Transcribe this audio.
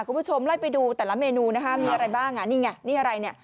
คุณผู้ชมไล่ไปดูแต่ละเมนูนะคะมีอะไรบ้างอ่ะนี่ไงนี่อะไรเนี่ย